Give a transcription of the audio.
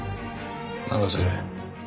永瀬。